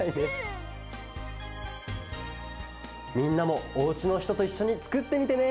みんなもおうちのひとといっしょにつくってみてね！